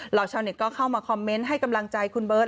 ชาวเน็ตก็เข้ามาคอมเมนต์ให้กำลังใจคุณเบิร์ต